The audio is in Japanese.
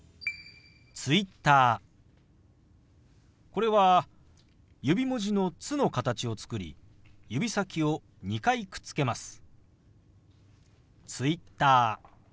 これは指文字の「つ」の形を作り指先を２回くっつけます。